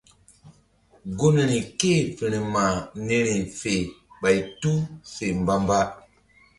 Gunri ké-e firma niri fe ɓay tu fe mbamba.